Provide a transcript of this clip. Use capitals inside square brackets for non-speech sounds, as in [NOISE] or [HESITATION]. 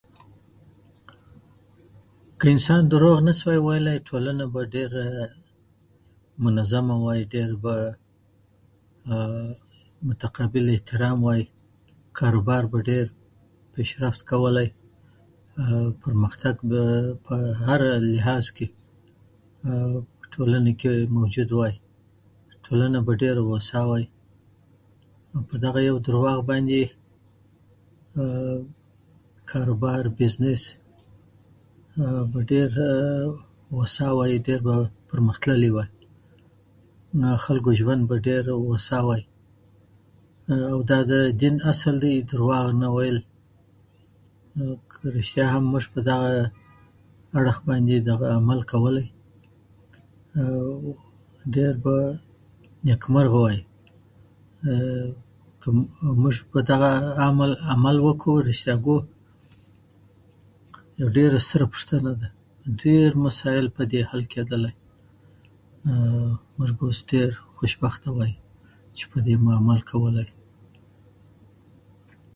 که انسان دروغ نه شوی ویلی، ټولنه به ډېره منظمه وي. ډېر به، آه آه آه، متقابل احترام وي. کار و بار به ډېر پیشرفت کولی. آه آه، پرمختګ به په هر لحاظ کې، عه عه، ټولنه کې موجود وی. ټولنه به ډېره هوسا وي په دغه یو دروغو باندې، عه عه، کار و بار، بزنس به ډېر، عه عه، هوسا و. ډېر به پرمختللی وه. نو د خلکو ژوند به ډېر هوسا وي عه عه، د دې اصل کې دروغ نه ویل، [HESITATION] نو کله رښتیا هم په دغه اړخ باندې دغه عمل کولی، عه عه، ډېر به نېکمرغه وي عه عه، که موږ په دغه عمل عمل وکړو، رښتیاکو یو، ډېر ستره پوښتنه ده. ډېر مسائل په دې حل کېدلی. آه آه، موږ به اوس ډېر خوشبخته وو چې په دې مو عمل کولی.